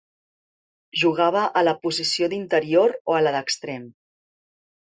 Jugava a la posició d'interior o a la d'extrem.